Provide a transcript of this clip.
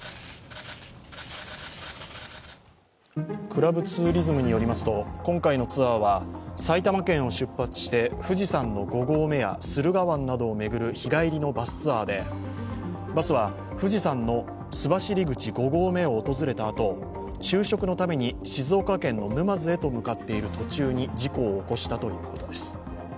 クラブツーリズムによりますと今回のツアーは埼玉県を出発して、富士山の５合目や駿河湾などを巡る日帰りのバスツアーでバスは富士山の須走口５合目を訪れたあと昼食のために、静岡県の沼津へと向かっている途中に事故を起こしたということです。